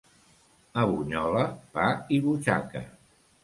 A Bunyola, pa i butxaca.